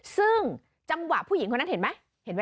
ซึ่งจังหวะผู้หญิงคนนั้นเห็นมั้ย